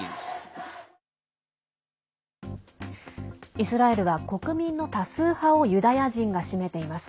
イスラエルは国民の多数派をユダヤ人が占めています。